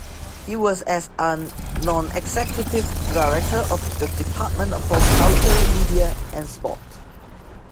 He was as a non-executive director of the Department for Culture, Media and Sport.